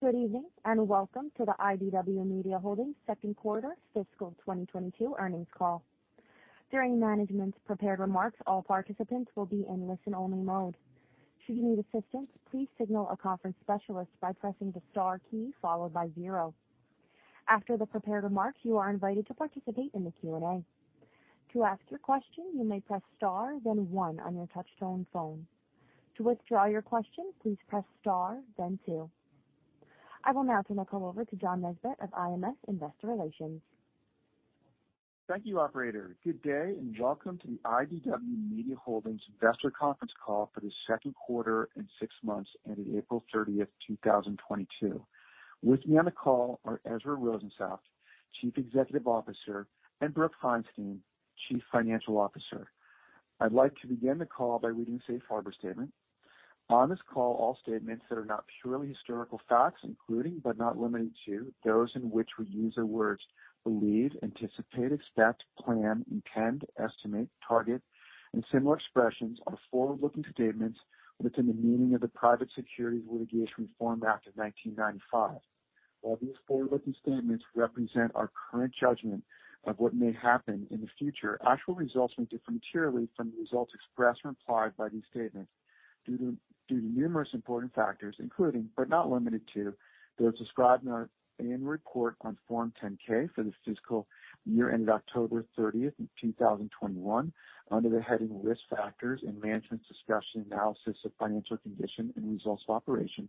Good evening, and welcome to the IDW Media Holdings second quarter fiscal 2022 earnings call. During management's prepared remarks, all participants will be in listen-only mode. Should you need assistance, please signal a conference specialist by pressing the star key followed by zero. After the prepared remarks, you are invited to participate in the Q&A. To ask your question, you may press star then one on your touchtone phone. To withdraw your question, please press star then two. I will now turn the call over to John Nesbett of IMS Investor Relations. Thank you, operator. Good day, and welcome to the IDW Media Holdings investor conference call for the second quarter and six months ending April 30th, 2022. With me on the call are Ezra Rosensaft, Chief Executive Officer, and Brooke Feinstein, Chief Financial Officer. I'd like to begin the call by reading a safe harbor statement. On this call, all statements that are not purely historical facts, including but not limited to those in which we use the words believe, anticipate, expect, plan, intend, estimate, target, and similar expressions are forward-looking statements within the meaning of the Private Securities Litigation Reform Act of 1995. While these forward-looking statements represent our current judgment of what may happen in the future, actual results may differ materially from the results expressed or implied by these statements due to numerous important factors, including but not limited to, those described in our annual report on Form 10-K for the fiscal year ended October 30th, 2021, under the heading Risk Factors and Management's Discussion and Analysis of Financial Condition and Results of Operations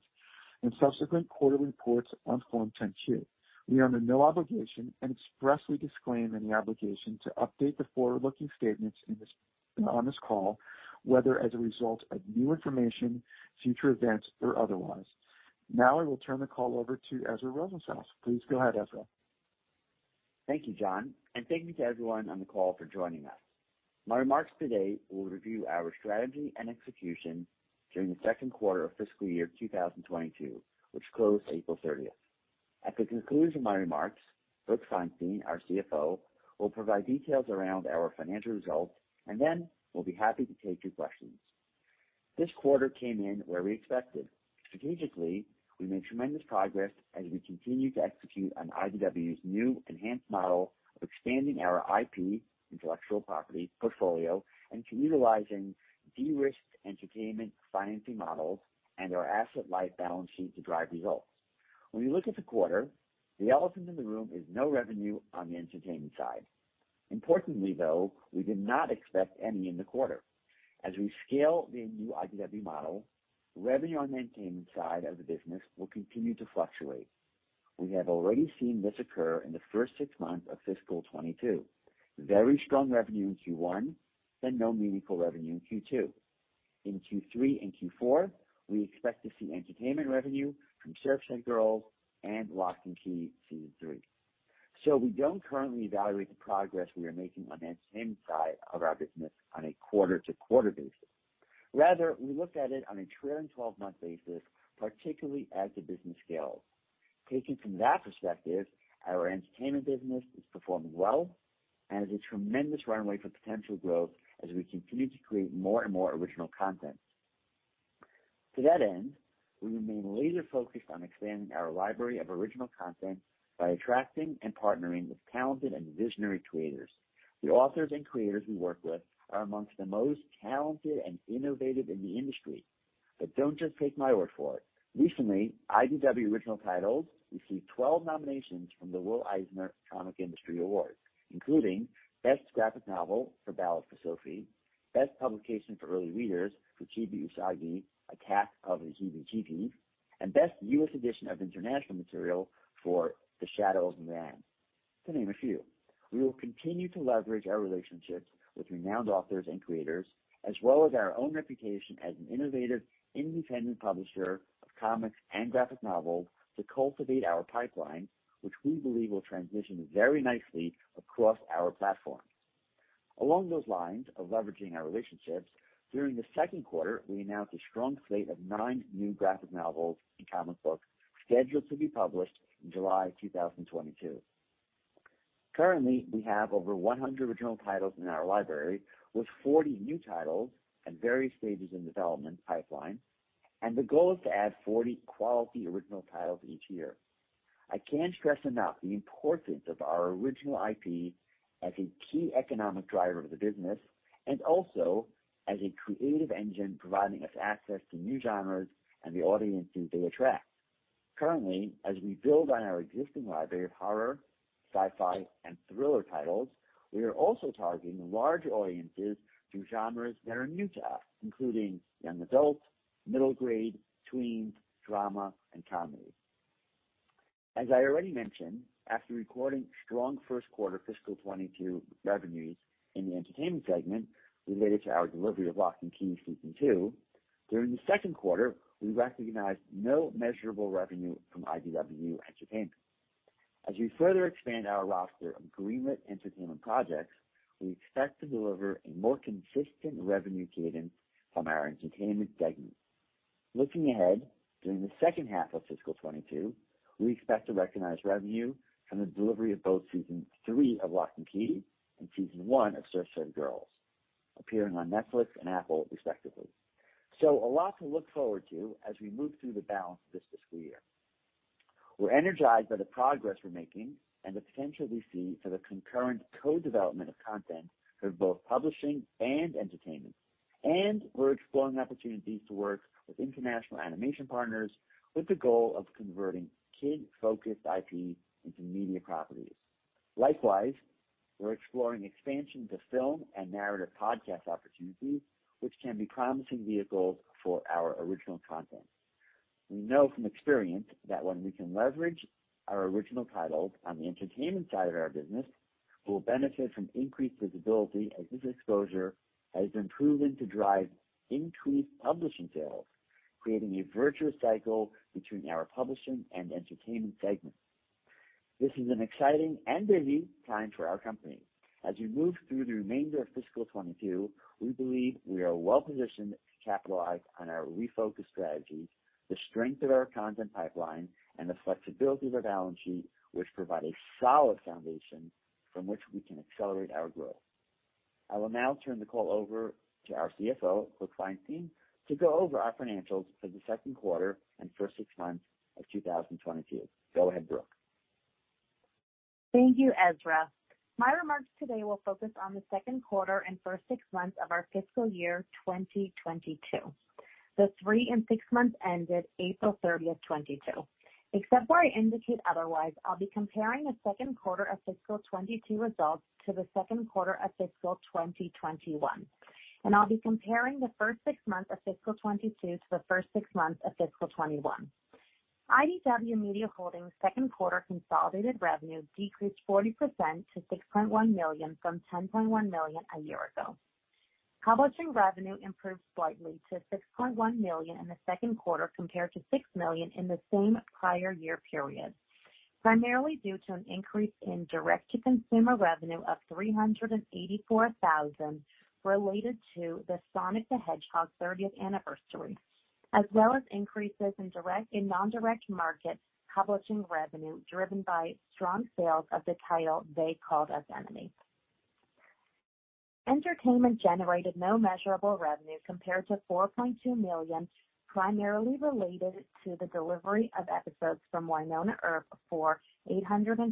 and subsequent quarterly reports on Form 10-Q. We are under no obligation and expressly disclaim any obligation to update the forward-looking statements in this call, whether as a result of new information, future events, or otherwise. Now I will turn the call over to Ezra Rosensaft. Please go ahead, Ezra. Thank you, John, and thank you to everyone on the call for joining us. My remarks today will review our strategy and execution during the second quarter of fiscal year 2022, which closed April 30th. At the conclusion of my remarks, Brooke Feinstein, our CFO, will provide details around our financial results, and then we'll be happy to take your questions. This quarter came in where we expected. Strategically, we made tremendous progress as we continue to execute on IDW's new enhanced model of expanding our IP, intellectual property, portfolio and to utilizing de-risked entertainment financing models and our asset-light balance sheet to drive results. When we look at the quarter, the elephant in the room is no revenue on the entertainment side. Importantly, though, we did not expect any in the quarter. As we scale the new IDW model, revenue on the entertainment side of the business will continue to fluctuate. We have already seen this occur in the first six months of fiscal 2022. Very strong revenue in Q1, then no meaningful revenue in Q2. In Q3 and Q4, we expect to see entertainment revenue from Surfside Girls and Locke & Key Season Three. We don't currently evaluate the progress we are making on the entertainment side of our business on a quarter-to-quarter basis. Rather, we look at it on a trailing 12-month basis, particularly as the business scales. Taking from that perspective, our entertainment business is performing well and has a tremendous runway for potential growth as we continue to create more and more original content. To that end, we remain laser-focused on expanding our library of original content by attracting and partnering with talented and visionary creators. The authors and creators we work with are among the most talented and innovative in the industry. Don't just take my word for it. Recently, IDW original titles received 12 nominations from the Will Eisner Comic Industry Awards, including Best Graphic Novel for Ballad for Sophie, Best Publication for Early Readers for Chibi Usagi: Attack of the Heebie Chibis, and Best U.S. Edition of International Material for The Shadow of a Man, to name a few. We will continue to leverage our relationships with renowned authors and creators, as well as our own reputation as an innovative, independent publisher of comics and graphic novels to cultivate our pipeline, which we believe will transition very nicely across our platforms. Along those lines of leveraging our relationships, during the second quarter, we announced a strong slate of nine new graphic novels and comic books scheduled to be published in July 2022. Currently, we have over 100 original titles in our library, with 40 new titles at various stages in development pipeline, and the goal is to add 40 quality original titles each year. I can't stress enough the importance of our original IP as a key economic driver of the business and also as a creative engine providing us access to new genres and the audiences they attract. Currently, as we build on our existing library of horror, sci-fi, and thriller titles, we are also targeting large audiences through genres that are new to us, including young adult, middle grade, tweens, drama, and comedy. As I already mentioned, after recording strong first quarter fiscal 2022 revenues in the entertainment segment related to our delivery of Locke & Key Season Two, during the second quarter, we recognized no measurable revenue from IDW Entertainment. As we further expand our roster of greenlit entertainment projects, we expect to deliver a more consistent revenue cadence from our entertainment segment. Looking ahead, during the second half of fiscal 2022, we expect to recognize revenue from the delivery of both Season Three of Locke & Key and Season One of Surfside Girls, appearing on Netflix and Apple respectively. A lot to look forward to as we move through the balance of this fiscal year. We're energized by the progress we're making and the potential we see for the concurrent co-development of content for both publishing and entertainment. We're exploring opportunities to work with international animation partners with the goal of converting kid-focused IP into media properties. Likewise, we're exploring expansion to film and narrative podcast opportunities, which can be promising vehicles for our original content. We know from experience that when we can leverage our original titles on the entertainment side of our business, we'll benefit from increased visibility, as this exposure has been proven to drive increased publishing sales, creating a virtuous cycle between our publishing and entertainment segments. This is an exciting and busy time for our company. As we move through the remainder of fiscal 2022, we believe we are well-positioned to capitalize on our refocused strategies, the strength of our content pipeline, and the flexibility of our balance sheet, which provide a solid foundation from which we can accelerate our growth. I will now turn the call over to our CFO, Brooke Feinstein, to go over our financials for the second quarter and first six months of 2022. Go ahead, Brooke. Thank you, Ezra. My remarks today will focus on the second quarter and first six months of our fiscal year 2022, the three and six months ended April 30th, 2022. Except where I indicate otherwise, I'll be comparing the second quarter of fiscal 2022 results to the second quarter of fiscal 2021, and I'll be comparing the first six months of fiscal 2022 to the first six months of fiscal 2021. IDW Media Holdings' second quarter consolidated revenue decreased 40% to $6.1 million from $10.1 million a year ago. Publishing revenue improved slightly to $6.1 million in the second quarter compared to $6 million in the same prior year period, primarily due to an increase in direct-to-consumer revenue of $384,000 related to the Sonic the Hedgehog 30th anniversary, as well as increases in direct and indirect market publishing revenue, driven by strong sales of the title They Called Us Enemy. Entertainment generated no measurable revenue compared to $4.2 million, primarily related to the delivery of episodes from Wynonna Earp for $820,000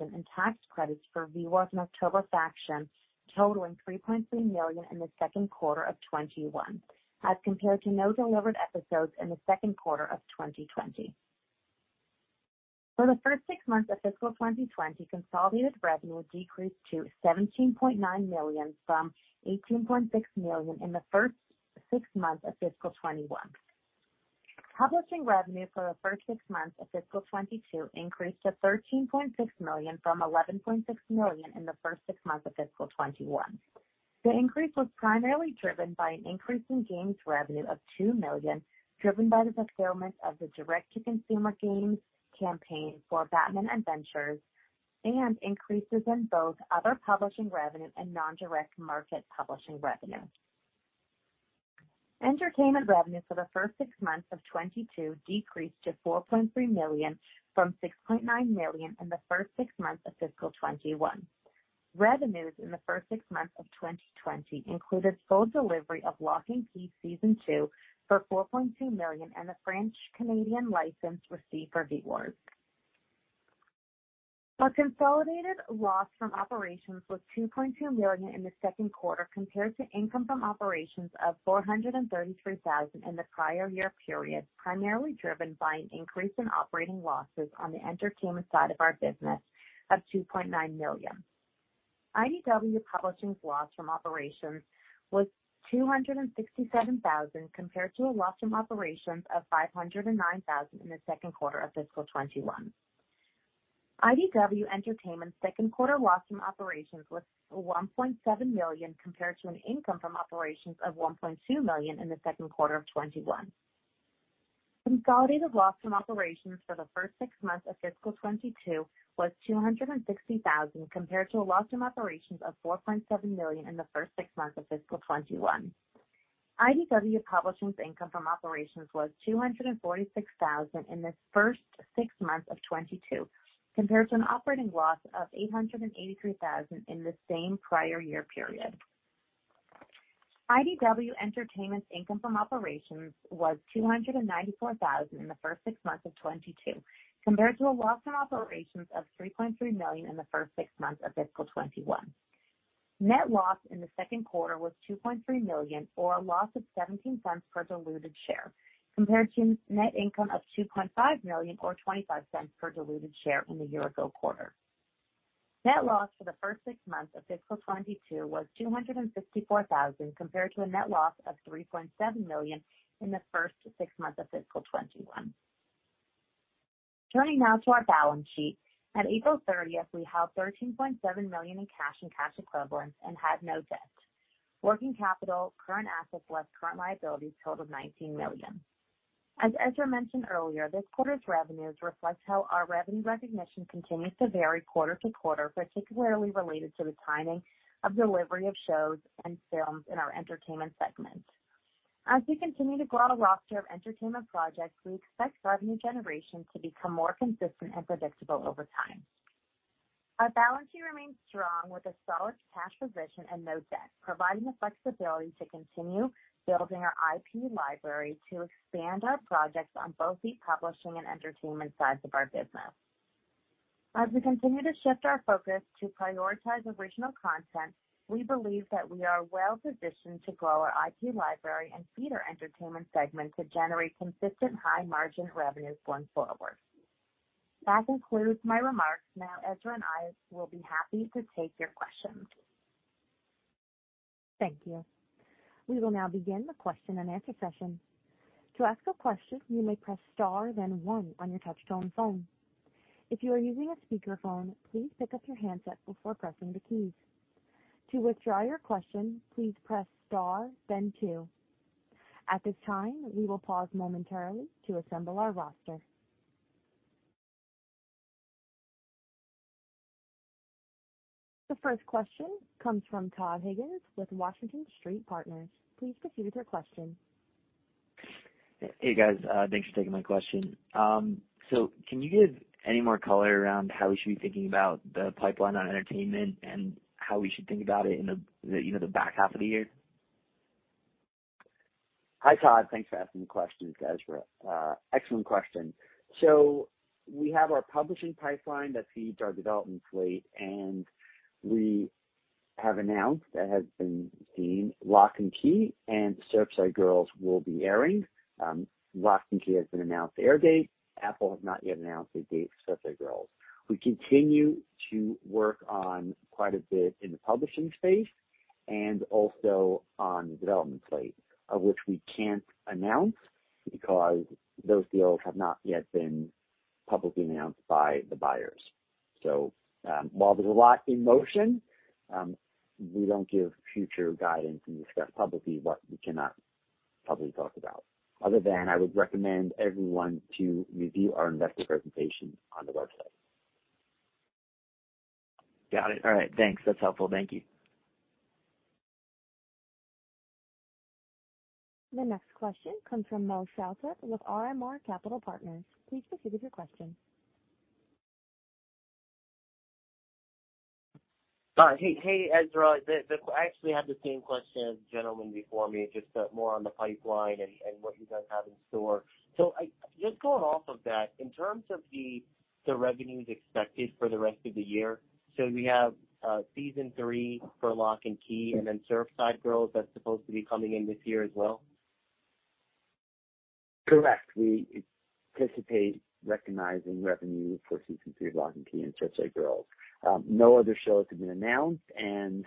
in tax credits for V-Wars and October Faction, totaling $3.3 million in the second quarter of 2021, as compared to no delivered episodes in the second quarter of 2020. For the first six months of fiscal 2020, consolidated revenue decreased to $17.9 million from $18.6 million in the first six months of fiscal 2021. Publishing revenue for the first six months of fiscal 2022 increased to $13.6 million from $11.6 million in the first six months of fiscal 2021. The increase was primarily driven by an increase in games revenue of $2 million, driven by the fulfillment of the direct-to-consumer games campaign for Batman Adventures and increases in both other publishing revenue and non-direct market publishing revenue. Entertainment revenue for the first six months of 2022 decreased to $4.3 million from $6.9 million in the first six months of fiscal 2021. Revenues in the first six months of 2020 included full delivery of Locke & Key Season Two for $4.2 million, and the French-Canadian license received for V-Wars. Our consolidated loss from operations was $2.2 million in the second quarter compared to income from operations of $433,000 in the prior year period, primarily driven by an increase in operating losses on the entertainment side of our business of $2.9 million. IDW Publishing's loss from operations was $267,000 compared to a loss from operations of $509,000 in the second quarter of fiscal 2021. IDW Entertainment's second quarter loss from operations was $1.7 million compared to an income from operations of $1.2 million in the second quarter of 2021. Consolidated loss from operations for the first six months of fiscal 2022 was $260,000 compared to a loss from operations of $4.7 million in the first six months of fiscal 2021. IDW Publishing's income from operations was $246,000 in the first six months of 2022 compared to an operating loss of $883,000 in the same prior year period. IDW Entertainment's income from operations was $294,000 in the first six months of 2022 compared to a loss from operations of $3.3 million in the first six months of fiscal 2021. Net loss in the second quarter was $2.3 million, or a loss of $0.17 per diluted share, compared to net income of $2.5 million or $0.25 per diluted share in the year-ago quarter. Net loss for the first six months of fiscal 2022 was $264,000 compared to a net loss of $3.7 million in the first six months of fiscal 2021. Turning now to our balance sheet. At April 30th, we held $13.7 million in cash and cash equivalents and had no debt. Working capital, current assets less current liabilities totaled $19 million. As Ezra mentioned earlier, this quarter's revenues reflect how our revenue recognition continues to vary quarter-to-quarter, particularly related to the timing of delivery of shows and films in our entertainment segment. As we continue to grow our roster of entertainment projects, we expect revenue generation to become more consistent and predictable over time. Our balance sheet remains strong with a solid cash position and no debt, providing the flexibility to continue building our IP library to expand our projects on both the publishing and entertainment sides of our business. As we continue to shift our focus to prioritize original content, we believe that we are well-positioned to grow our IP library and feed our entertainment segment to generate consistent high-margin revenues going forward. That concludes my remarks. Now Ezra and I will be happy to take your questions. Thank you. We will now begin the question-and-answer session. To ask a question, you may press star then one on your touchtone phone. If you are using a speakerphone, please pick up your handset before pressing the keys. To withdraw your question, please press star then two. At this time, we will pause momentarily to assemble our roster. The first question comes from Todd Higgins with Washington Street Partners. Please proceed with your question. Hey, guys. Thanks for taking my question. Can you give any more color around how we should be thinking about the pipeline on entertainment and how we should think about it in the, you know, the back half of the year? Hi, Todd. Thanks for asking the question. It's Ezra. Excellent question. We have our publishing pipeline that feeds our development slate, and we have announced Locke & Key and Surfside Girls will be airing. Locke & Key has been announced the air date. Apple has not yet announced the date for Surfside Girls. We continue to work on quite a bit in the publishing space and also on the development slate, of which we can't announce because those deals have not yet been publicly announced by the buyers. While there's a lot in motion, we don't give future guidance and discuss publicly what we cannot publicly talk about, other than I would recommend everyone to review our investor presentation on the website. Got it. All right. Thanks. That's helpful. Thank you. The next question comes from Moe Shaltout with RMR Capital Partners. Please proceed with your question. Hey, hey, Ezra. I actually have the same question as the gentleman before me, just more on the pipeline and what you guys have in store. Just going off of that, in terms of the revenues expected for the rest of the year, we have season three for Locke & Key and then Surfside Girls that's supposed to be coming in this year as well? Correct. We anticipate recognizing revenue for season three of Locke & Key and Surfside Girls. No other shows have been announced, and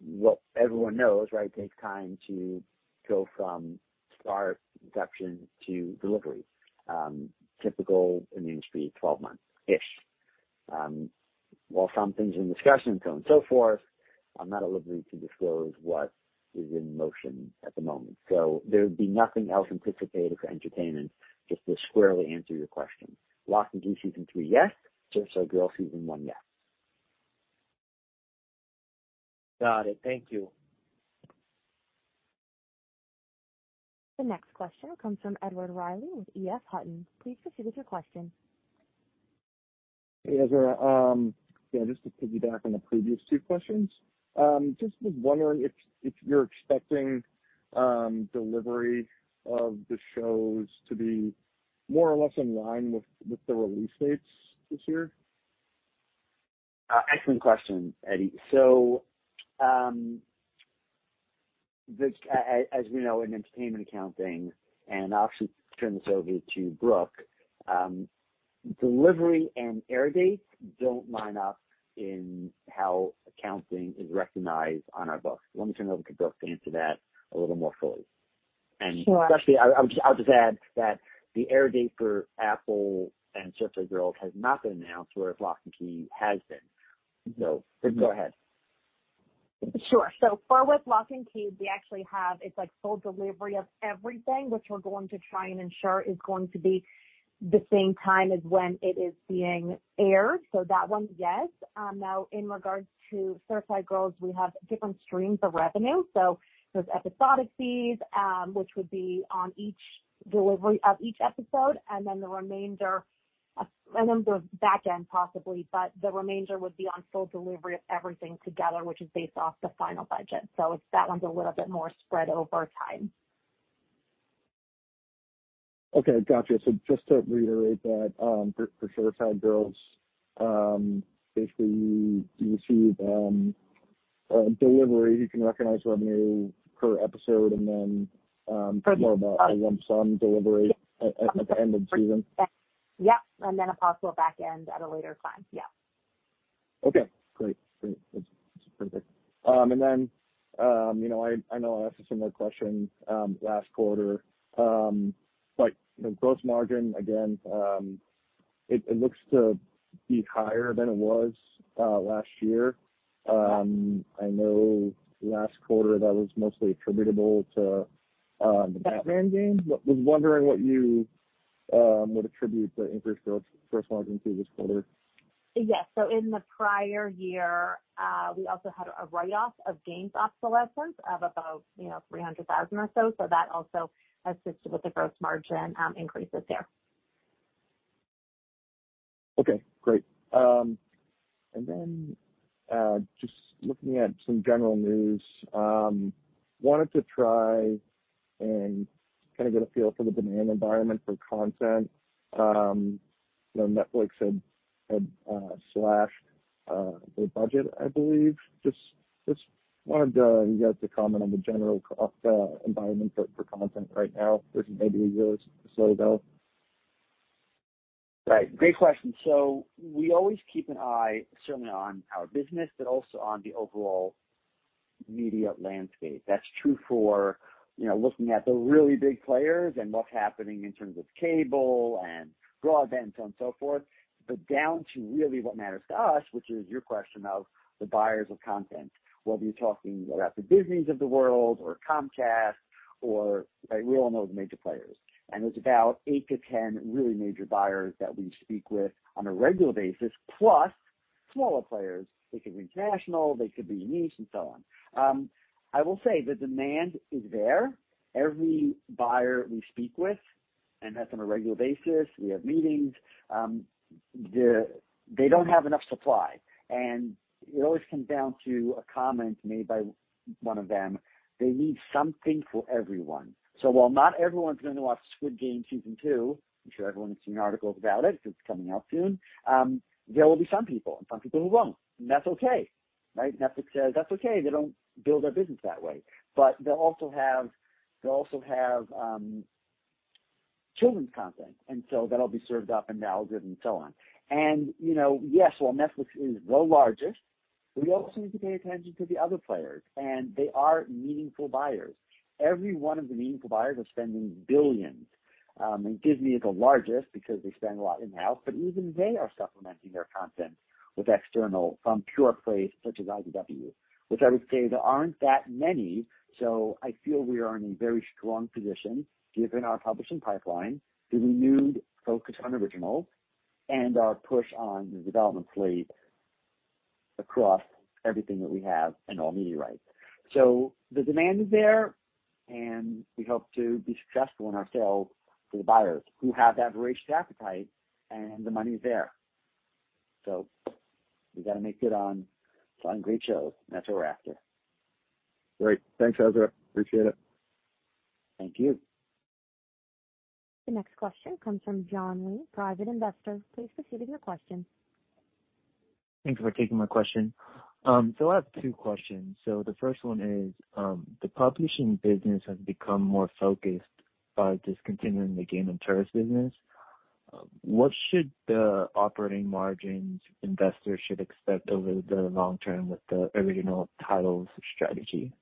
what everyone knows, right, takes time to go from start, inception to delivery, typical in the industry, 12-month-ish. While something's in discussion and so and so forth, I'm not at liberty to disclose what is in motion at the moment. There would be nothing else anticipated for entertainment, just to squarely answer your question. Locke & Key season three, yes. Surfside Girls season one, yes. Got it. Thank you. The next question comes from Edward Reilly with EF Hutton. Please proceed with your question. Hey, Ezra. Yeah, just to piggyback on the previous two questions, just was wondering if you're expecting delivery of the shows to be more or less in line with the release dates this year. Excellent question, Eddie. As we know in entertainment accounting, and I'll actually turn this over to Brooke, delivery and air dates don't line up in how accounting is recognized on our books. Let me turn it over to Brooke to answer that a little more fully. Sure. Especially, I'll just add that the air date for Apple and Surfside Girls has not been announced, whereas Locke & Key has been. Go ahead. Sure. For Locke & Key, we actually have, it's like full delivery of everything, which we're going to try and ensure is going to be the same time as when it is being aired. That one, yes. Now in regards to Surfside Girls, we have different streams of revenue. There's episodic fees, which would be on each delivery of each episode and then the remainder of the back end possibly, but the remainder would be on full delivery of everything together, which is based off the final budget. That one's a little bit more spread over time. Okay. Gotcha. Just to reiterate that, for Surfside Girls, basically you receive delivery, you can recognize revenue per episode and then, more of a lump sum delivery at the end of the season. Yes. A possible back end at a later time. Yeah. Okay, great. That's perfect. You know, I know I asked a similar question last quarter. The gross margin, again, it looks to be higher than it was last year. I know last quarter that was mostly attributable to the Batman game. Was wondering what you would attribute the increase to gross margin to this quarter. Yes. In the prior year. We also had a write-off of games obsolescence of about $300,000 or so. That also assisted with the gross margin increases there. Okay, great. Just looking at some general news, wanted to try and kind of get a feel for the demand environment for content. You know, Netflix had slashed their budget, I believe. Just wanted you guys to comment on the general environment for content right now, which may be really slow, though. Right. Great question. We always keep an eye, certainly on our business, but also on the overall media landscape. That's true for, you know, looking at the really big players and what's happening in terms of cable and broadband and so on and so forth. Down to really what matters to us, which is your question of the buyers of content, whether you're talking about the Disneys of the world or Comcast or. We all know the major players. There's about eight-10 really major buyers that we speak with on a regular basis, plus smaller players. They could be international, they could be niche and so on. I will say the demand is there. Every buyer we speak with, and that's on a regular basis, we have meetings. They don't have enough supply. It always comes down to a comment made by one of them. They need something for everyone. While not everyone's going to watch Squid Game Season Two, I'm sure everyone has seen articles about it's coming out soon. There will be some people who won't. That's okay, right? Netflix says that's okay. They don't build their business that way. They'll also have children's content, and so that'll be served up and now delivered and so on. You know, yes, while Netflix is the largest, we also need to pay attention to the other players, and they are meaningful buyers. Every one of the meaningful buyers are spending billions. Disney is the largest because they spend a lot in-house, but even they are supplementing their content with external from pure plays such as IDW, which I would say there aren't that many. I feel we are in a very strong position given our publishing pipeline, the renewed focus on originals and our push on the development slate across everything that we have and all media rights. The demand is there, and we hope to be successful in our sales to the buyers who have that voracious appetite and the money is there. We got to make good on great shows. That's what we're after. Great. Thanks, Ezra. Appreciate it. Thank you. The next question comes from John Lee, Private Investor. Please proceed with your question. Thanks for taking my question. I have two questions. The first one is, the publishing business has become more focused by discontinuing the game interest business. What should the operating margins investors should expect over the long term with the original titles strategy?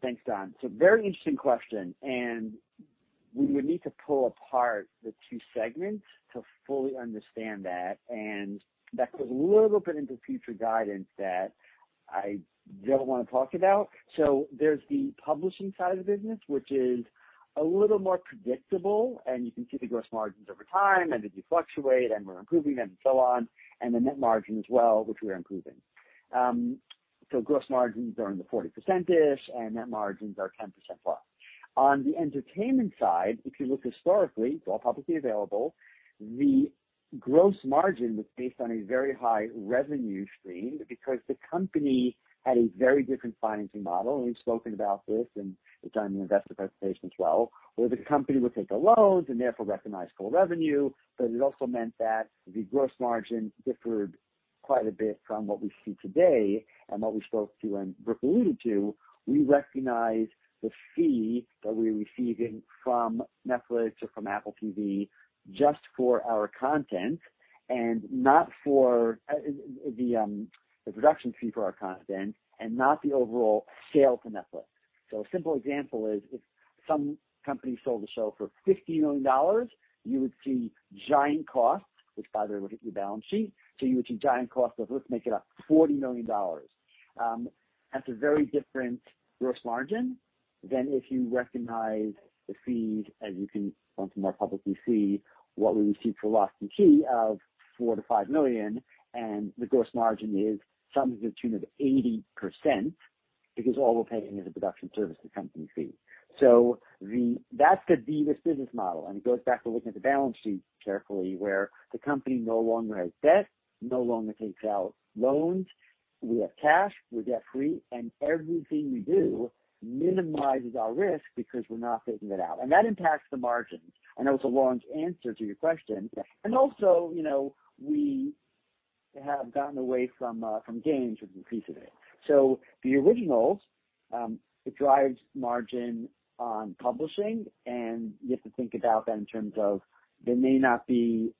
Thanks, John. Very interesting question, and we would need to pull apart the two segments to fully understand that. That goes a little bit into future guidance that I don't want to talk about. There's the publishing side of the business, which is a little more predictable, and you can see the gross margins over time, and they do fluctuate, and we're improving them and so on. The net margin as well, which we are improving. Gross margins are in the 40%-ish, and net margins are 10%+. On the entertainment side, if you look historically, it's all publicly available. The gross margin was based on a very high revenue stream because the company had a very different financing model. We've spoken about this, and it's on the investor presentation as well, where the company would take the loans and therefore recognize full revenue. It also meant that the gross margin differed quite a bit from what we see today. What we spoke to and Brooke alluded to, we recognize the fee that we're receiving from Netflix or from Apple TV just for our content and not for the production fee for our content and not the overall sale to Netflix. A simple example is if some company sold a show for $50 million, you would see giant costs, which, by the way, would hit your balance sheet. You would see giant costs of, let's make it up $40 million. That's a very different gross margin than if you recognize the fees, as you can come to more publicly see what we receive for Locke & Key of $4 million-$5 million. The gross margin is something to the tune of 80% because all we're paying is a production service to company fee. That's the previous business model. It goes back to looking at the balance sheet carefully, where the company no longer has debt, no longer takes out loans. We have cash, we're debt free, and everything we do minimizes our risk because we're not taking it out. That impacts the margins. I know it's a long answer to your question. You know, we have gotten away from games, which is a piece of it. The originals, it drives margin on publishing. You have to think about that in terms of there may not be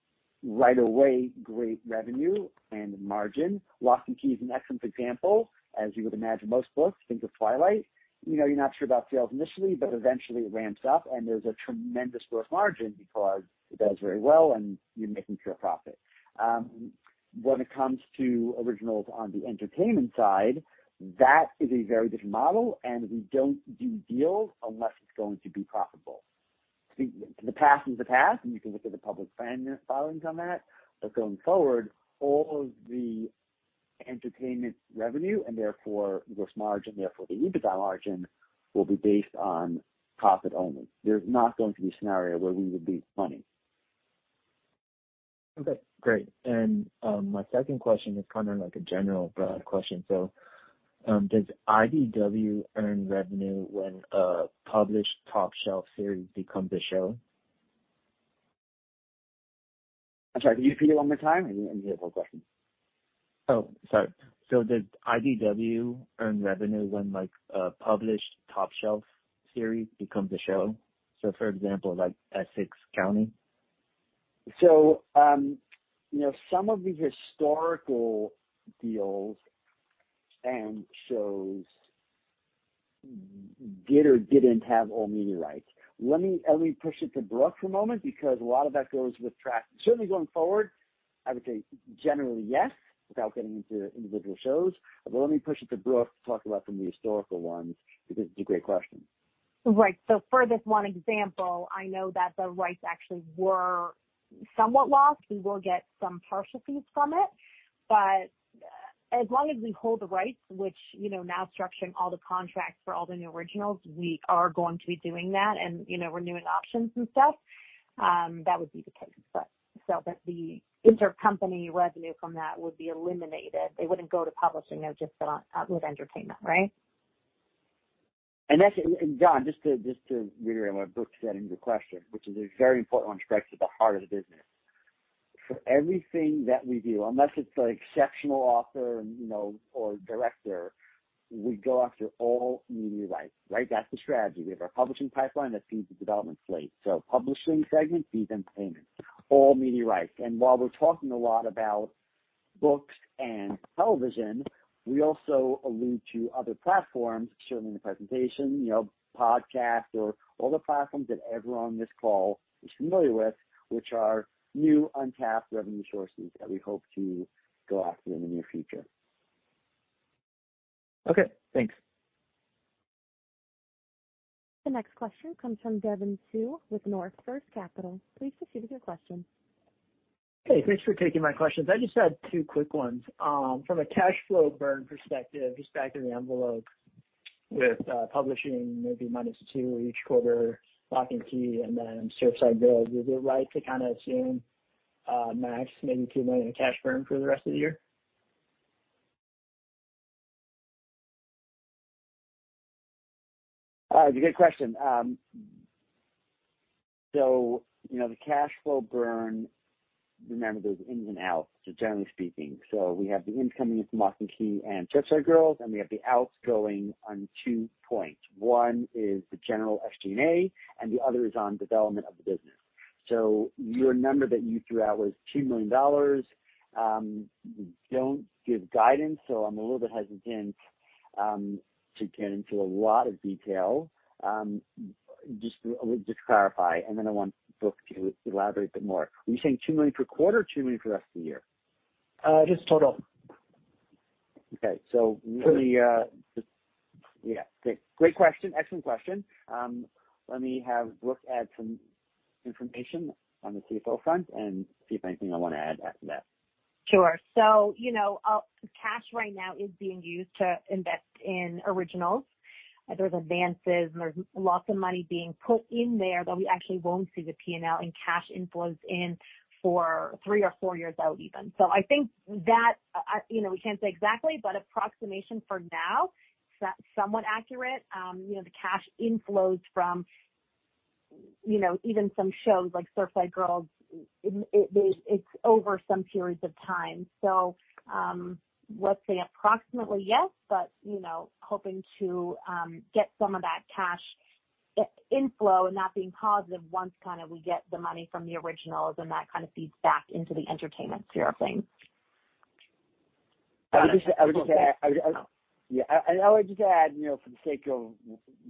right away great revenue and margin. Locke & Key is an excellent example. As you would imagine, most books think of Twilight. You know, you're not sure about sales initially, but eventually it ramps up and there's a tremendous gross margin because it does very well and you're making pure profit. When it comes to originals on the entertainment side, that is a very different model and we don't do deals unless it's going to be profitable. The past is the past, and you can look at the public filings on that. Going forward, all of the entertainment revenue and therefore gross margin, therefore the EBITDA margin, will be based on profit only. There's not going to be a scenario where we would lose money. Okay, great. My second question is kinda like a general broad question. Does IDW earn revenue when a published Top Shelf series becomes a show? I'm sorry, can you repeat it one more time? I didn't hear the whole question. Oh, sorry. Does IDW earn revenue when, like, a published Top Shelf series becomes a show? For example, like Essex County. You know, some of the historical deals and shows did or didn't have all media rights. Let me push it to Brooke for a moment because a lot of that goes with that. Certainly going forward, I would say generally yes, without getting into individual shows. Let me push it to Brooke to talk about some of the historical ones, because it's a great question. Right. For this one example, I know that the rights actually were somewhat lost. We will get some partial fees from it. As long as we hold the rights, which, you know, now structuring all the contracts for all the new originals, we are going to be doing that. You know, renewing options and stuff, that would be the case. The intercompany revenue from that would be eliminated. They wouldn't go to publishing, they'll just sit with entertainment, right? John, just to reiterate what Brooke said in your question, which is a very important one, strikes at the heart of the business. For everything that we do, unless it's an exceptional author and, you know, or director, we go after all media rights, right? That's the strategy. We have our publishing pipeline that feeds the development slate. Publishing segment feeds entertainment, all media rights. While we're talking a lot about books and television, we also allude to other platforms, certainly in the presentation, you know, podcasts or all the platforms that everyone on this call is familiar with, which are new untapped revenue sources that we hope to go after in the near future. Okay, thanks. The next question comes from Devin Hsu with North First Capital. Please proceed with your question. Hey, thanks for taking my questions. I just had two quick ones. From a cash flow burn perspective, just back to the envelope with publishing maybe minus two each quarter, Locke & Key and then Surfside Girls, is it right to kinda assume max maybe $2 million in cash burn for the rest of the year? It's a good question. You know, the cash flow burn, remember, there's ins and outs, so generally speaking. We have the incoming from Locke & Key and Surfside Girls, and we have the outgoing on two points. One is the general SG&A, and the other is on development of the business. Your number that you threw out was $2 million. We don't give guidance, so I'm a little bit hesitant to get into a lot of detail. Just clarify and then I want Brooke to elaborate a bit more. Were you saying $2 million per quarter or $2 million for the rest of the year? Just total. Okay. Let me Total. Yeah. Great question. Excellent question. Let me have Brooke add some information on the CFO front and see if anything I wanna add after that. Sure. You know, cash right now is being used to invest in originals. There's advances and there's lots of money being put in there that we actually won't see the P&L and cash inflows in for three or four years out even. I think that, you know, we can't say exactly, but approximation for now, so that's somewhat accurate. You know, the cash inflows from, you know, even some shows like Surfside Girls, it's over some periods of time. Let's say approximately yes, but, you know, hoping to get some of that cash inflow and that being positive once kind of we get the money from the originals and that kind of feeds back into the entertainment sphere of things. I would just add. Got it. Yeah. I would just add, you know, for the sake of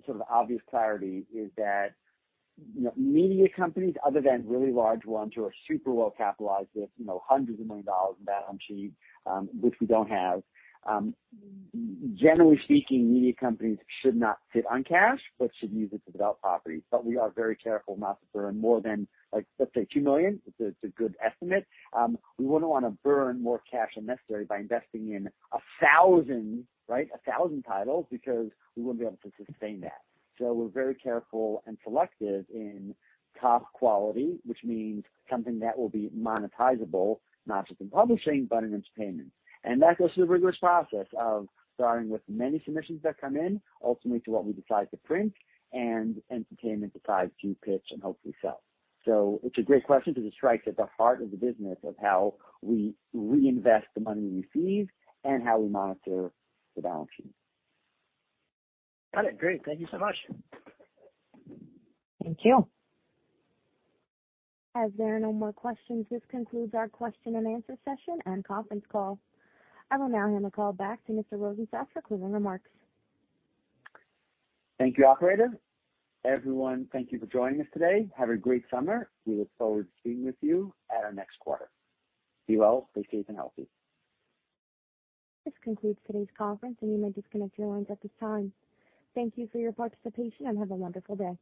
sort of obvious clarity, that is, you know, media companies other than really large ones who are super well capitalized with, you know, hundreds of millions of dollars in balance sheets, which we don't have, generally speaking, media companies should not sit on cash but should use it to develop properties. We are very careful not to burn more than, like, let's say $2 million. It's a good estimate. We wouldn't wanna burn more cash than necessary by investing in 1,000 titles because we wouldn't be able to sustain that. We're very careful and selective in top quality, which means something that will be monetizable, not just in publishing but in entertainment. That goes through a rigorous process of starting with many submissions that come in, ultimately to what we decide to print and entertainment decides to pitch and hopefully sell. It's a great question because it strikes at the heart of the business of how we reinvest the money we receive and how we monitor the balance sheet. Got it. Great. Thank you so much. Thank you. As there are no more questions, this concludes our question-and-answer session and conference call. I will now hand the call back to Mr. Rosensaft for closing remarks. Thank you, operator. Everyone, thank you for joining us today. Have a great summer. We look forward to being with you at our next quarter. Be well, stay safe and healthy. This concludes today's conference, and you may disconnect your lines at this time. Thank you for your participation, and have a wonderful day.